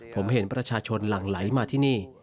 ผมเห็นประชาชนหลั่งไหลมาที่นี่